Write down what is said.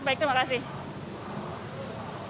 baik terima kasih